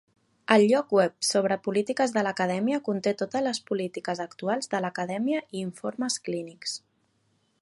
El lloc web sobre polítiques de l'acadèmia conté totes les polítiques actuals de l'acadèmia i informes clínics.